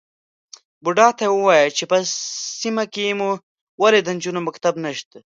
_بوډا ته ووايه چې په سيمه کې مو ولې د نجونو مکتب نشته؟